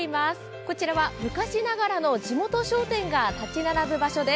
こちらは昔ながらの地元商店が立ち並ぶ場所です。